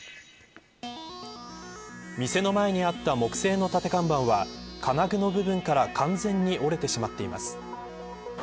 店の前にあった木製の立て看板は金具の部分から完全に折れてしまっています。